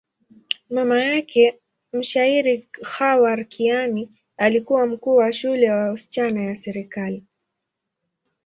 Mama yake, mshairi Khawar Kiani, alikuwa mkuu wa shule ya wasichana ya serikali.